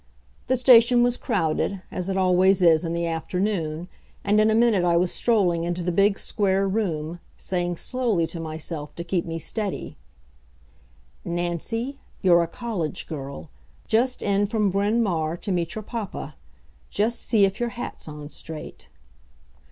The station was crowded, as it always is in the afternoon, and in a minute I was strolling into the big, square room, saying slowly to myself to keep me steady: "Nancy, you're a college girl just in from Bryn Mawr to meet your papa. Just see if your hat's on straight."